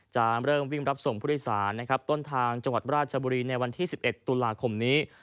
จะเริ่มวิ่งรับส่งผู้โดยสารนะครับต้นทางจังหวัดราชบุรีในวันที่๑๑ตุลาคมนี้